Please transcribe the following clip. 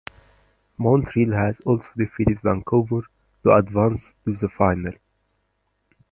Montreal had also defeated Vancouver to advance to the Final.